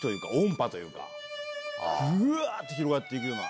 ぐわ！って広がっていくような。